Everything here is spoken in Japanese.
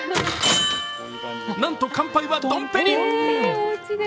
なんと、乾杯はドンペリ！